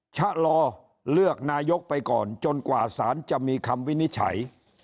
ชะลอเลือกนายกไปก่อนจนกว่าสารจะมีคำวินิจฉัย